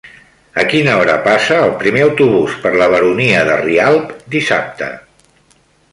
A quina hora passa el primer autobús per la Baronia de Rialb dissabte?